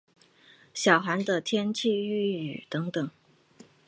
小寒的天气谚语等等。